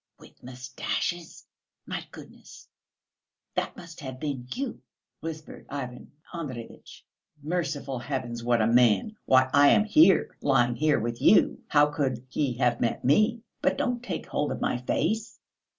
"With moustaches! My goodness, that must have been you," whispered Ivan Andreyitch. "Merciful heavens, what a man! Why, I am here, lying here with you! How could he have met me? But don't take hold of my face."